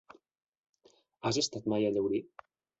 Has estat mai a Llaurí?